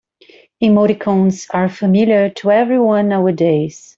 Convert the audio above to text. Emoticons are familiar to everyone nowadays.